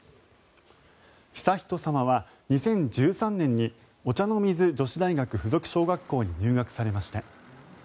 悠仁さまは２０１３年にお茶の水女子大学附属小学校に入学されました。